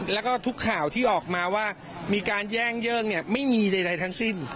แล้วก็ทุกข่าวที่ออกมาว่ามีการแย่งเยิ่งไม่มีใดทั้งสิ้น